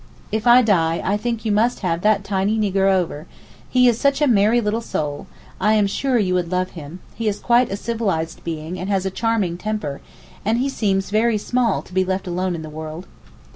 If I die I think you must have that tiny nigger over; he is such a merry little soul, I am sure you would love him, he is quite a civilized being and has a charming temper, and he seems very small to be left alone in the world.